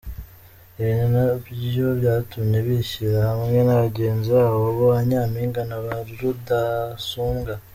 Ibi ni nabyo byatumye bishyira hamwe na bagenzi babo ba Nyampinga na ba Rudasumbwa.